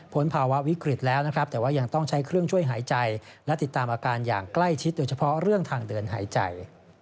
ภาวะวิกฤตแล้วนะครับแต่ว่ายังต้องใช้เครื่องช่วยหายใจและติดตามอาการอย่างใกล้ชิดโดยเฉพาะเรื่องทางเดินหายใจ